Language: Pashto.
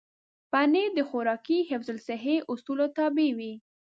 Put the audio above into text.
پنېر د خوراکي حفظ الصحې اصولو تابع وي.